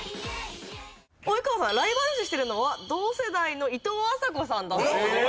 及川さんライバル視してるのは同世代のいとうあさこさんだそうです。